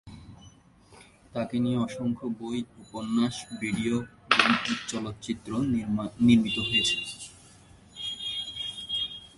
তাকে নিয়ে অসংখ্য বই, উপন্যাস, ভিডিও গেম ও চলচ্চিত্র নির্মীত হয়েছে।